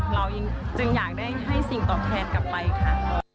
เราจึงอยากได้ให้สิ่งตอบแทนกลับไปค่ะ